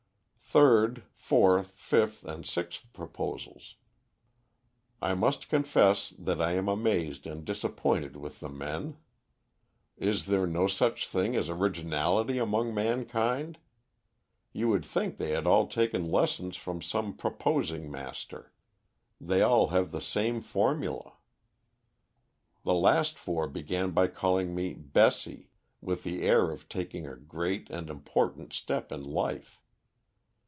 "Third, fourth, fifth, and sixth proposals. I must confess that I am amazed and disappointed with the men. Is there no such thing as originality among mankind? You would think they had all taken lessons from some proposing master; they all have the same formula. The last four began by calling me 'Bessie,' with the air of taking a great and important step in life.